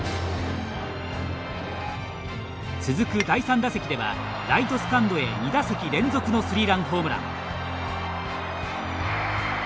続く第３打席ではライトスタンドへ２打席連続のスリーランホームラン。